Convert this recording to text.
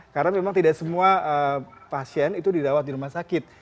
karena memang tidak semua pasien itu dirawat di rumah sakit